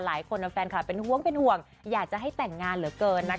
หลายคนครับแฟนคลับเป็นห่วงอยากจะให้แต่งงานเหลือเกินนะคะ